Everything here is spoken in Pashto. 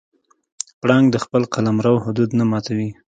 پړانګ د خپل قلمرو حدود نه ماتوي.